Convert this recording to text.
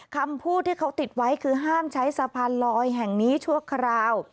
คำพูดที่เขาติดไว้คือห้ามใช้สะพานลอยแห่งนี้ชั่วคราว